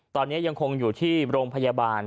ตอนนี้ยังคงอยู่ที่โรงพยาบาล